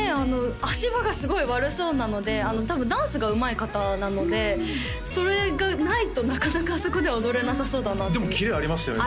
足場がすごい悪そうなので多分ダンスがうまい方なのでそれがないとなかなかあそこでは踊れなさそうだなってでもキレありましたよね